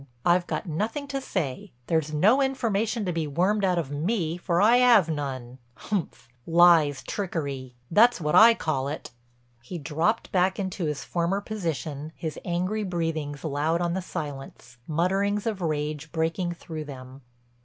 I've got nothing to say; there's no information to be wormed out of me for I 'ave none. Umph—lies, trickery—that's what I call it!" He dropped back into his former position, his angry breathings loud on the silence, mutterings of rage breaking through them.